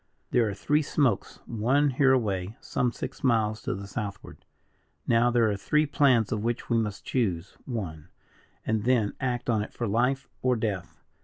"There are three smokes, one hereaway, some six miles to the southward. Now there are three plans, of which we must choose one, and then act on it for life or death.